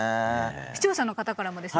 視聴者の方からもですね